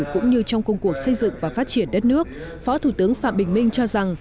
cũng như trong công cuộc xây dựng và phát triển đất nước phó thủ tướng phạm bình minh cho rằng